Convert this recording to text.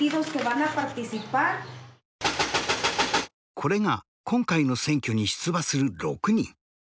これが今回の選挙に出馬する６人。